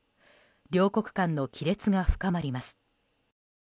両国間の亀裂が深まります。